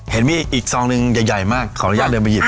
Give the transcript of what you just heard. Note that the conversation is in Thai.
เห็นมิอีกซองหนึ่งใหญ่มากของรายการเดิมบียิบ